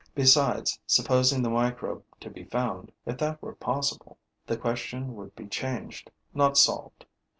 Besides, supposing the microbe to be found, if that were possible, the question would be changed, not solved.